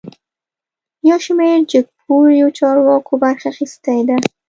یوشمیر جګپوړیو چارواکو برخه اخیستې ده